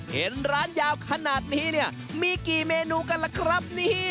เห็นร้านยาวขนาดนี้มีกี่เมนูกันล่ะครับ